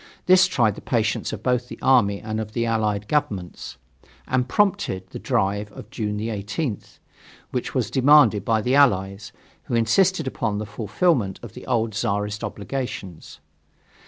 This tried the patience both of the army and of the Allied Governments, and prompted the drive of June 18, which was demanded by the Allies, who insisted upon the fulfillment of the old Czarist obligations.